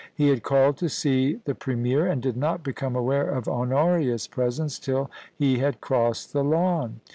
He had called to see the Pre mier, and did not become aware of Honoria*s presence till he had crossed the lawn.